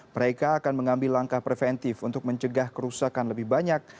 mereka akan mengambil langkah preventif untuk mencegah kerusakan lebih banyak